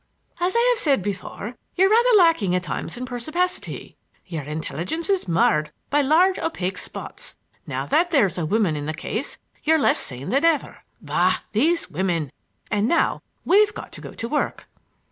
"As I have said before, you're rather lacking at times in perspicacity. Your intelligence is marred by large opaque spots. Now that there's a woman in the case you're less sane than ever. Bah, these women! And now we've got to go to work."